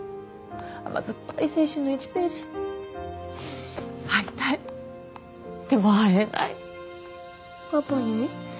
甘酸っぱい青春の１ページ会いたいでも会えないパパに？